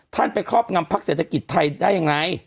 ท่านเป็นครอบงำภักดิ์เศรษฐกิจไทยได้ยังไง